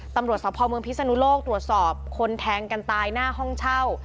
ตำรวจสภเมืองพิศนุโลกตรวจสอบคนแทงกันตายหน้าห้องเช่า